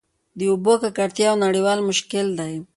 د اوبو ککړتیا یو نړیوال مشکل دی.